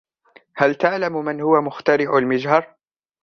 هل تعلم من هو مخترع المجهر؟